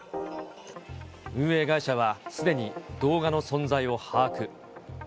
運営会社は、すでに動画の存在を把握。